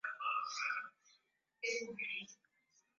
Umaarufu mwingine wa hifadhi hii ni pamoja ya aina ya chatu